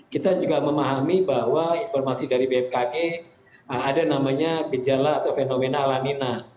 kita juga memahami bahwa informasi dari bmkg ada namanya gejala atau fenomena lanina